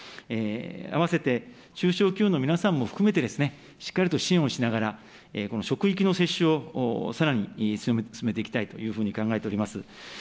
併せて、中小企業の皆さんも含めて、しっかりと支援をしながら、この職域の接種をさらに進めていきたいというふうに考えております。